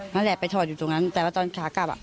นั่นแหละไปถอดอยู่ตรงนั้นแต่ว่าตอนขากลับอ่ะ